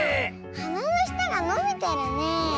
はなのしたがのびてるねえ。